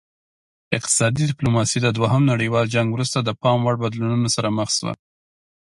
اقتصادي ډیپلوماسي د دوهم نړیوال جنګ وروسته د پام وړ بدلونونو سره مخ شوه